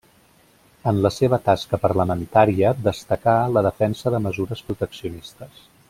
En la seva tasca parlamentària destacà la defensa de mesures proteccionistes.